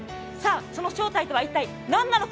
その正体とは一体何なのか？